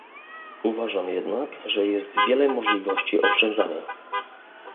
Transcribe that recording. Uważam jednak, że jest wiele możliwości oszczędzania